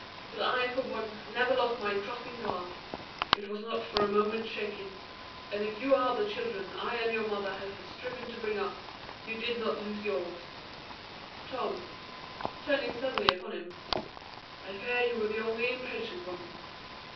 But I, for one, never lost my trust in God; it was not for a moment shaken; and if you are the children I and your mother have striven to bring up, you did not lose yours. Tom," turning suddenly upon him, "I fear you were the only impatient one."